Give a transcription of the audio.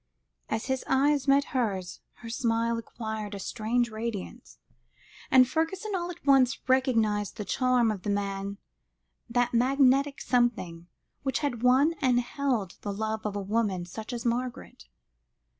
As his eyes met hers, his smile acquired a strange radiance, and Fergusson all at once recognised the charm of the man that magnetic something which had won and held the love of such a woman as Margaret.